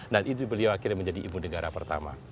dan itu beliau akhirnya menjadi ibu negara pertama